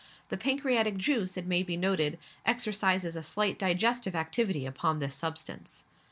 The pancreatic juice, it may be noted, exercises a slight digestive activity upon this substance.